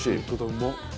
うまっ！